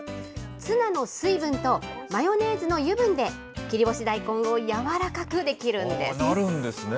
ツナの水分とマヨネーズの油分で、切り干し大根をやわらかくできるなるんですね。